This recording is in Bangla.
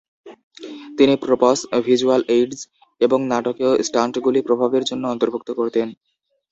তিনি প্রপস, ভিজ্যুয়াল এইডস, এবং নাটকীয় স্টান্টগুলি প্রভাবের জন্য অন্তর্ভুক্ত করতেন।